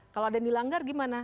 kalau ada yang dilanggar gimana